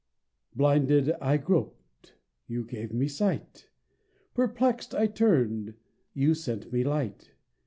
Blinded I groped you gave me sight. Perplexed I turned you sent me light.